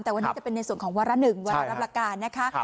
แต่วันนี้จะเป็นในส่วนของวาระหนึ่งวาระรับราการนะคะครับ